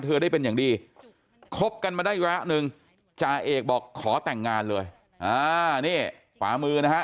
ได้เป็นอย่างดีคบกันมาได้ระยะหนึ่งจ่าเอกบอกขอแต่งงานเลยนี่ขวามือนะฮะ